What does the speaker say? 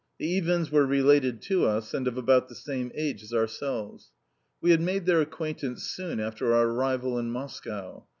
The Iwins were related to us, and of about the same age as ourselves. We had made their acquaintance soon after our arrival in Moscow.